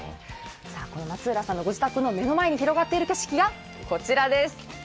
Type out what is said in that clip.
松浦さんのご自宅の目の前に広がっている景色がこちらです。